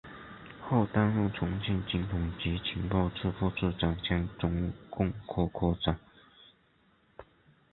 后担任重庆军统局情报处副处长兼中共科科长。